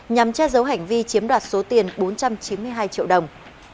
nhằm che giấu hành vi chiếm đoạt số tiền bốn trăm chín mươi hai triệu đồng